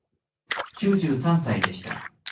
９３歳でした。